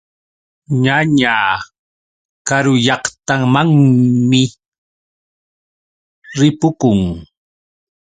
Ñañaa karu llaqtamanmi ripukun.